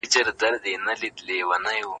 موږ د شپې لخوا اور بل کړ.